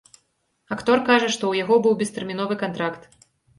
Актор кажа, што ў яго быў бестэрміновы кантракт.